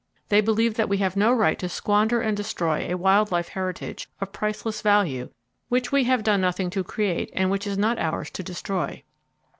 They believe that we have no right to squander and destroy a wild life heritage of priceless value which we have done nothing to create, and which is not ours to destroy.